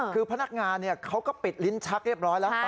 คือพนักงานเขาก็ปิดลิ้นชักเรียบร้อยแล้ว